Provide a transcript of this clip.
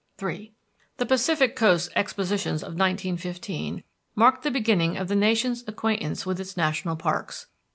III The Pacific Coast Expositions of 1915 marked the beginning of the nation's acquaintance with its national parks.